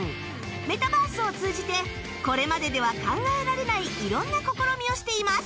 メタバースを通じてこれまででは考えられない色んな試みをしています